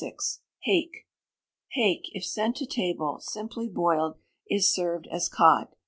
Hake. Hake, if sent to table, simply boiled, is served as cod.